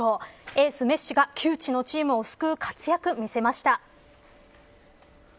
エースメッシが窮地のチームを救う活躍を見せました。